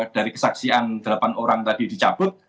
dari kesaksian delapan orang tadi dicabut